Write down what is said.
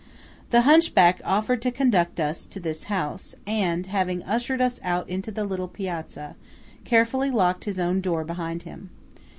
The hunchback offered to conduct us to this house, and, having ushered us out into the little piazza, carefully locked his own door behind him.